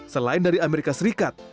selain dari amerika serikat